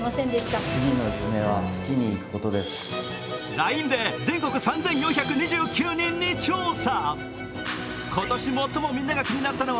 ＬＩＮＥで全国３４２９人に調査。